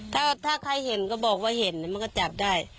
ถ้าใครเห็นก็บอกว่าเห็นมันก็จับได้